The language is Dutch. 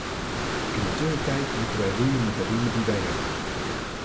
In de tussentijd moeten wij roeien met de riemen die wij hebben.